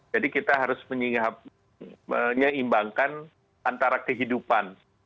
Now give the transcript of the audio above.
jadi kita harus menyeimbangkan antara kehidupan